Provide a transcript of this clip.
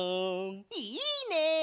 いいね！